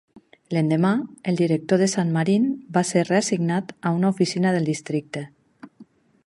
L'endemà, el director de Sant Marín va ser reassignat a una oficina del districte.